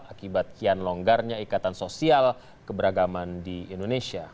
akibat kian longgarnya ikatan sosial keberagaman di indonesia